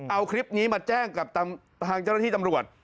เอาคลิปนี้มาแจ้งกับทางเจ้าหน้าที่ตำรวจ